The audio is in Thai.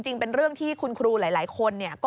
เป็นเรื่องที่คุณครูหลายคน